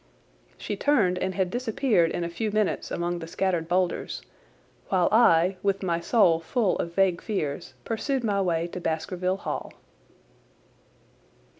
She turned and had disappeared in a few minutes among the scattered boulders, while I, with my soul full of vague fears, pursued my way to Baskerville Hall.